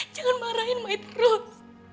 jangan marahin mai terus